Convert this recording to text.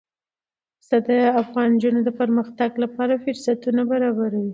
پسه د افغان نجونو د پرمختګ لپاره فرصتونه برابروي.